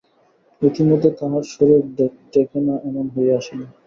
ইতিমধ্যে তাহার শরীর টেঁকে না এমন হইয়া আসিল।